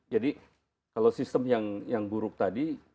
jadi kalau sistem yang buruk tadi